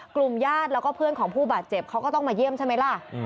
ญาติแล้วก็เพื่อนของผู้บาดเจ็บเขาก็ต้องมาเยี่ยมใช่ไหมล่ะ